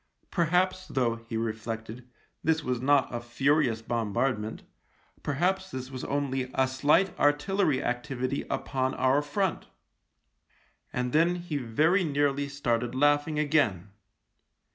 Perhaps, though, he reflected, this was not a furious bombard ment ; perhaps this was only " a slight artillery activity upon our front." And then 3 34 THE LIEUTENANT he very nearly started laughing again.